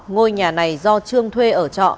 ngôi nhà này do trương thuê ở trọ